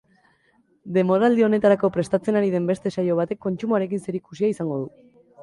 Denboraldi honetarako prestatzen ari den beste saio batek kontsumoarekin zerikusia izango du.